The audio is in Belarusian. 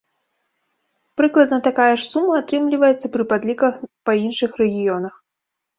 Прыкладна такая ж сума атрымліваецца пры падліках па іншых рэгіёнах.